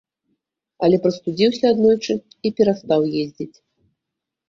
Але прастудзіўся аднойчы, і перастаў ездзіць.